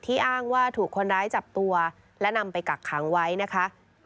อ้างว่าถูกคนร้ายจับตัวและนำไปกักขังไว้นะคะ